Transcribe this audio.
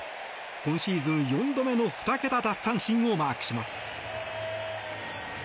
今シーズン４度目の２桁奪三振をマークします。